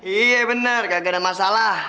iya benar gak ada masalah